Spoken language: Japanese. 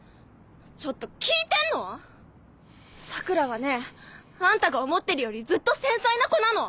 ちょっと聞いてんの⁉桜良はねあんたが思ってるよりずっと繊細な子なの。